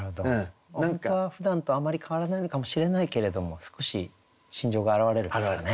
本当はふだんとあまり変わらないのかもしれないけれども少し心情が表れるんですかね。